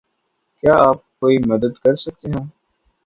کیا آپ کوئی مدد کر سکتے ہیں؟